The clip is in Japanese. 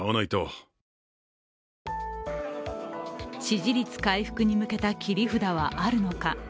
支持率回復に向けた切り札はあるのか。